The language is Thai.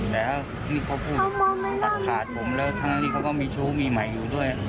แล้วที่เขาพูดตัดขาดผมแล้วทั้งที่เขาก็มีชู้มีใหม่อยู่ด้วย